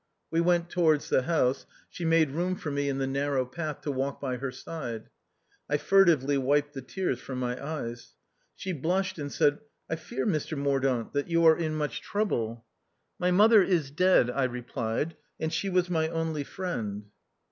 We went towards the house ; she made room for me in the narrow path to walk by her side. I furtively wiped the tears from my eyes. She blushed and said, " I fear, Mr Mordaunt, that you are in much trouble ?" "My mother is dead," I replied; "and she was my only friend."